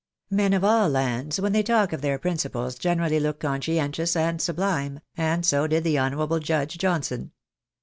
Men of all lands, when they talk of their principles, generally look conscientious and sublime, and so did the honourable Judge Johnson.